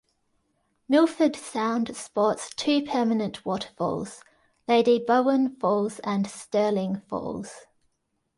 Milford Sound sports two permanent waterfalls, Lady Bowen Falls and Stirling Falls.